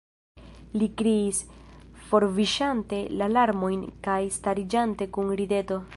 li kriis, forviŝante la larmojn kaj stariĝante kun rideto.